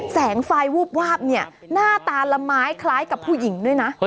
แสงไฟวูบวาบเนี่ยหน้าตาละไม้คล้ายกับผู้หญิงด้วยนะ